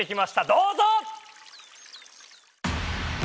どうぞ！